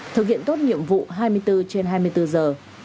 thực hiện tốt nhiệm vụ hai mươi bốn trên hai mươi bốn giờ